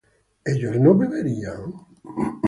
¿ellos no beberían?